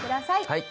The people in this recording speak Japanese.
はい。